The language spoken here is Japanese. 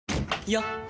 よっ！